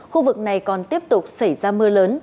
khu vực này còn tiếp tục xảy ra mưa lớn